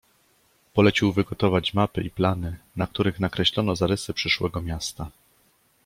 "Polecił wygotować mapy i plany, na których nakreślono zarysy przyszłego miasta."